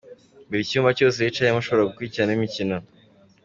Buri cyumba cyose wicayemo ushobora gukurikirana imikino.